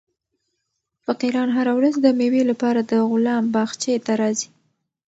فقیران هره ورځ د مېوې لپاره د غلام باغچې ته راځي.